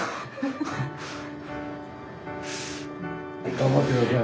頑張ってください。